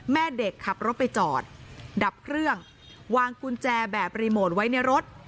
แม่เด็กขับรถไปจอดดับเครื่องวางกุญแจแบบรีโมทไว้ในรถ